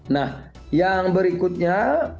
nah yang berikutnya